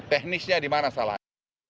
teknisnya di mana salahnya